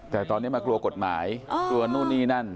แต่ตอนนี้มากลัวกฎหมายกลัวนู่นนี่นั่น